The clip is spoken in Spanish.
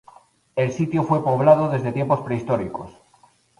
El sitio fue poblado desde tiempos prehistóricos.